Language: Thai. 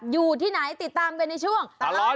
อยู่ที่ไหนติดตามกันในช่วงปลาร้อนกิน